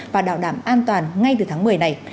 và bảo đảm an toàn ngay từ tháng một mươi này